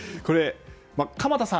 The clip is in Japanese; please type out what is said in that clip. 鎌田さん